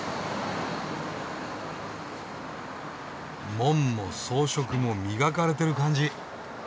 門も装飾も磨かれてる感じ。